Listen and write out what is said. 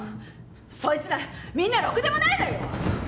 そいつらみんなろくでもないのよ！